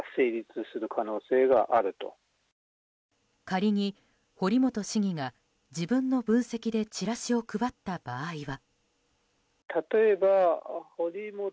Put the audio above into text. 仮に堀本市議が自分の文責でチラシを配った場合は。